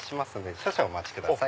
少々お待ちください。